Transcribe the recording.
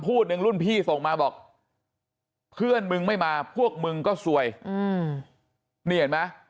หนึ่งรุ่นพี่ส่งมาบอกเพื่อนมึงไม่มาพวกมึงก็ซวยนี่เห็นไหม